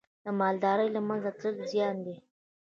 د مالدارۍ له منځه تلل زیان دی.